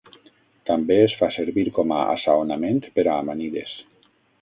També es fa servir com a assaonament per a amanides.